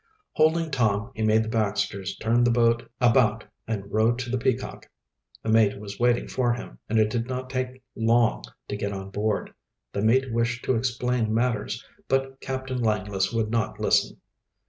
Holding Tom, he made the Baxters turn the boat about and row to the Peacock. The mate was waiting for him, and it did not take long to get on board. The mate wished to explain matters, but Captain Lawless would not listen.